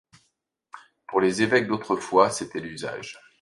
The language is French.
Pour les évêques d’autrefois c’était l’usage.